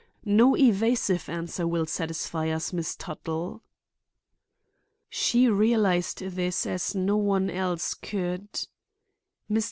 No evasive answer will satisfy us, Miss Tuttle." She realized this as no one else could. Mr.